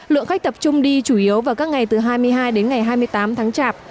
lượng khách tập trung đi chủ yếu vào các ngày từ hai mươi hai đến ngày hai mươi tám tháng chạp